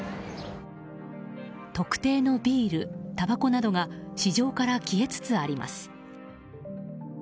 特定のビール、たばこなどが市場から消えつつあります。